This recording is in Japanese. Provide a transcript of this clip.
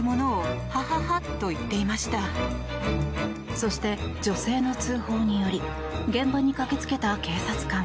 そして、女性の通報により現場に駆けつけた警察官。